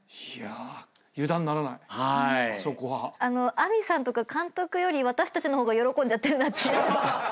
明未さんとか監督より私たちの方が喜んじゃってる。